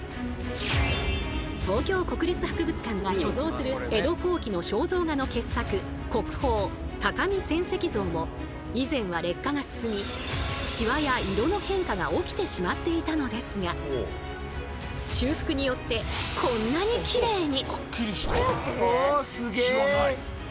東京国立博物館が所蔵する江戸後期の肖像画の傑作以前は劣化が進みシワや色の変化が起きてしまっていたのですが修復によってこんなにきれいに！